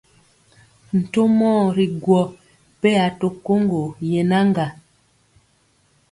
Ntomɔɔ ri gwɔ peya to koŋgo yenaŋga.